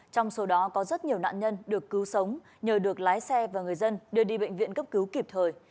trong số đó có rất nhiều nạn nhân được cứu sống nhờ được lái xe và người dân đưa đi bệnh viện cấp cứu kịp thời